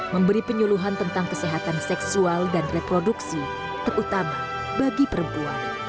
memberi penyuluhan tentang kesehatan seksual dan reproduksi terutama bagi perempuan